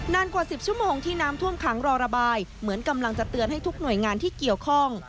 กว่า๑๐ชั่วโมงที่น้ำท่วมขังรอระบายเหมือนกำลังจะเตือนให้ทุกหน่วยงานที่เกี่ยวข้อง